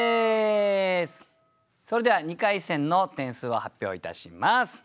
それでは２回戦の点数を発表いたします。